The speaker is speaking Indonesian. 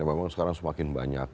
memang sekarang semakin banyak